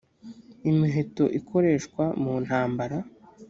imiheto ikoreshwa muntambara.